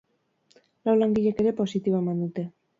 Lau langilek ere positibo eman dute.